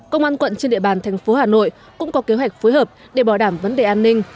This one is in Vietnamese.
công an quận trên địa bàn thành phố hà nội cũng có kế hoạch phối hợp để bảo đảm vấn đề an ninh